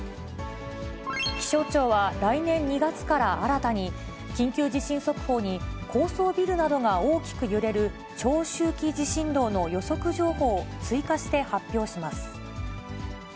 気象庁は、来年２月から新たに、緊急地震速報に高層ビルなどが大きく揺れる長周期地震動の予測情報を追加して発表します。